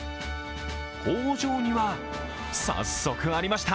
工場には、早速ありました。